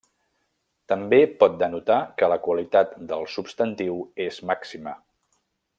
També pot denotar que la qualitat del substantiu és màxima.